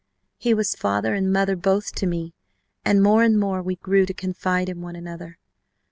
"He was father and mother both to me. And more and more we grew to confide in one another.